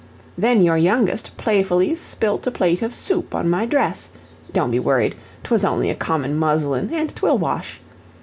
Then your youngest playfully spilt a plate of soup on my dress (don't be worried 'twas only a common muslin, and 'twill wash).